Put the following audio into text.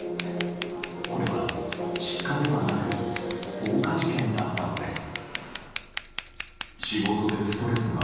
これは、失火ではなく放火事件だったのです。